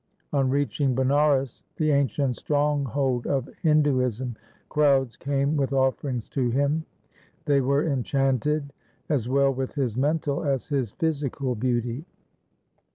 On reaching Banaras, the ancient stronghold of Hinduism, crowds came with offerings to him. They were enchanted as well with his mental as his physical beauty.